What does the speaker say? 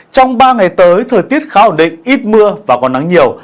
trong ba ngày tới thời tiết khá ổn định ít mưa và còn nắng nhiều